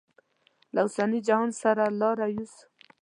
له اوسني جهان سره لاره یوسو.